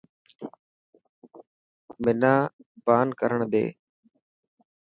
منان بان ڪرڻ ڏي.